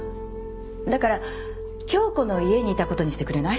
だから杏子の家にいたことにしてくれない？